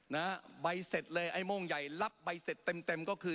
นะฮะใบเสร็จเลยไอ้โม่งใหญ่รับใบเสร็จเต็มเต็มก็คือ